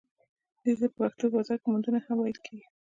دې ته په پښتو کې بازار موندنه هم ویل کیږي.